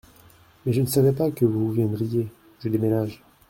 Mais je ne savais pas que vous viendriez, je déménage.